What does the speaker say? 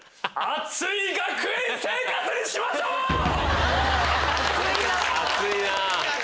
熱いな！